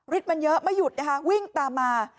มันเยอะไม่หยุดนะคะวิ่งตามมา